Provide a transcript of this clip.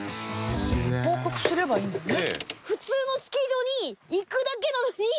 報告すればいいんだね。